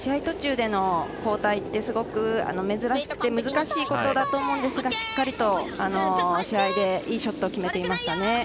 途中での交代ってとても珍しくて難しいことだと思うんですがしっかりと試合でいいショットを決めていましたね。